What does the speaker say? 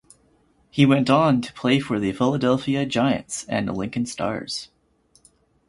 He went on to play for the Philadelphia Giants and Lincoln Stars.